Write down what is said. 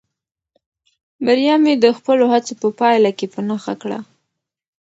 بریا مې د خپلو هڅو په پایله کې په نښه کړه.